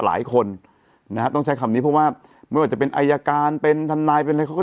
หลายคนนะฮะต้องใช้คำนี้เพราะว่าไม่ว่าจะเป็นอายการเป็นทนายเป็นอะไรเขาก็